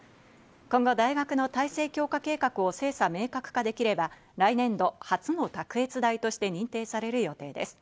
今後、大学の体制強化計画を精査・明確化できれば、来年度初の卓越大として認定される予定です。